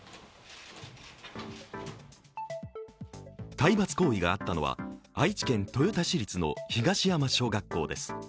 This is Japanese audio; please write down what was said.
体罰行為があったのは愛知県豊田市立の東山小学校です。